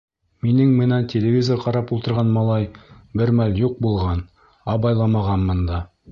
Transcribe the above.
Минең менән телевизор ҡарап ултырған малай бер мәл юҡ булған, абайламағанмын да.